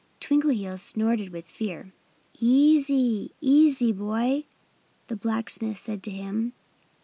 Twinkleheels snorted with fear. "Easy! Easy, boy!" the blacksmith said to him.